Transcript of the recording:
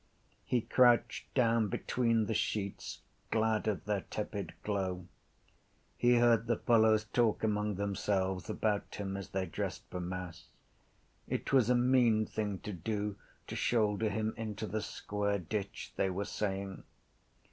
He crouched down between the sheets, glad of their tepid glow. He heard the fellows talk among themselves about him as they dressed for mass. It was a mean thing to do, to shoulder him into the square ditch, they were saying.